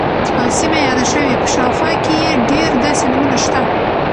او سیمه یاده شوې، په شاوخوا کې یې ډیر داسې نومونه شته،